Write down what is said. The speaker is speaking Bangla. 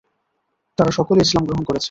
তারা সকলে ইসলাম গ্রহণ করেছে।